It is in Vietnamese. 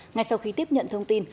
ngay sau khi tiếp nhận thông tin